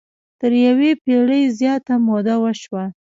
تر یوې پېړۍ زیاته موده وشوه.